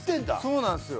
そうなんっすよ。